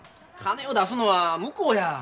金を出すのは向こうや。